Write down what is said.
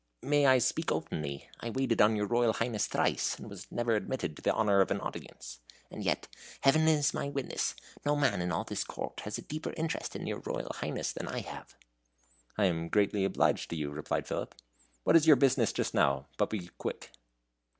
"May I speak openly? I waited on your Royal Highness thrice, and was never admitted to the honor of an audience; and yet Heaven is my witness no man in all this court has a deeper interest in your Royal Highness than I have." "I am greatly obliged to you," replied Philip; "what is your business just now? But be quick."